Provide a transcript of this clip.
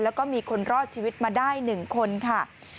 แล้วก็มีคนรอดชีวิตมาได้๑คนค่ะ